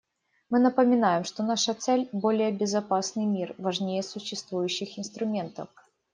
Мы напоминаем, что наша цель − более безопасный мир − важнее существующих инструментов.